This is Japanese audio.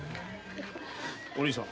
お凛さん